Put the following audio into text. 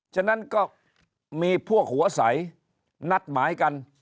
ฉะนั้นก็มีพวกหัวใสนัดหมายกัน